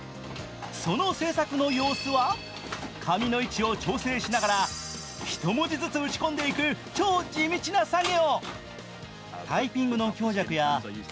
その制作の様子は紙の位置を調整しながら１文字ずつ打ち込んでいく超地道な作業。